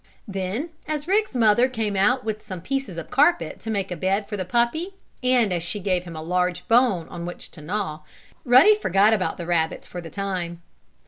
Then, as Rick's mother came out with some pieces of carpet to make a bed for the puppy, and as she gave him a large bone on which to gnaw, Ruddy forgot about the rabbits for the time.